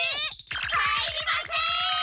入りません！